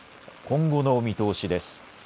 今後の見通しです。